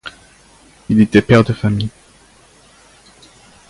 Il était père de famille.